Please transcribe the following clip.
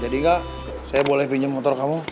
jadi nggak saya boleh pinjam motor kamu